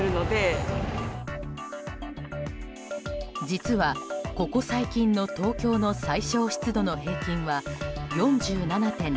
実は、ここ最近の東京の最小湿度の平均は４７．６％。